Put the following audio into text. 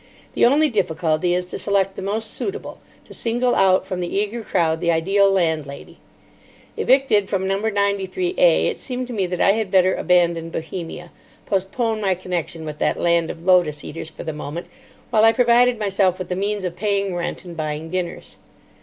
The only difficulty is to select the most suitable, to single out from the eager crowd the ideal landlady. Evicted from No. 93A, it seemed to me that I had better abandon Bohemia; postpone my connection with that land of lotus eaters for the moment, while I provided myself with the means of paying rent and buying dinners.